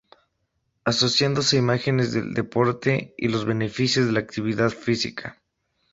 Asociándose a imágenes del deporte y los beneficios de la actividad física.